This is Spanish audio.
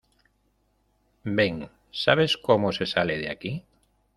Ven. ¿ sabes cómo se sale de aquí?